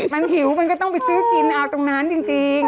มันหิวมันก็ต้องไปซื้อกินเอาตรงนั้นจริง